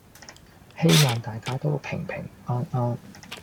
希望大家都平平安安